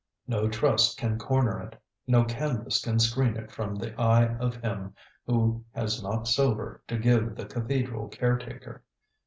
No trust can corner it. No canvas can screen it from the eye of him who has not silver to give the cathedral care taker.